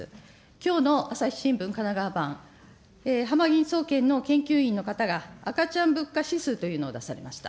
きょうの朝日新聞神奈川版、はまぎん総研の研究員の方が、赤ちゃん物価指数というのを出されました。